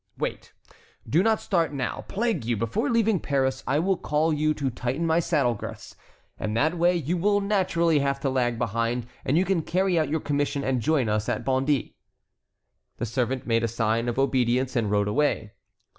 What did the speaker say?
"Wait; do not start now, plague you! Before leaving Paris I will call you to tighten my saddle girths; in that way you will naturally have to lag behind, and you can carry out your commission and join us at Bondy." The servant made a sign of obedience and rode away.